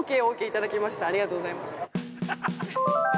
ありがとうございます。